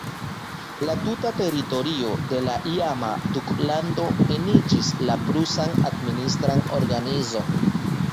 La tuta teritorio de la iama duklando eniĝis la prusan administran organizon.